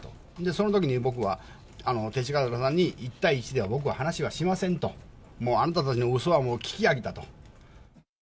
そのときに僕は勅使河原さんに一対一では僕は話はしませんと、もうあなたたちのうそはもう聞き飽きたと。